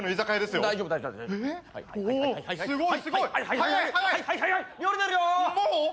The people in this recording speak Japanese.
すごい。